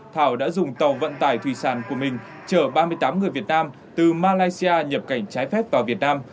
thảo đã dùng tàu vận tải thủy sản của mình chở ba mươi tám người việt nam từ malaysia nhập cảnh trái phép vào việt nam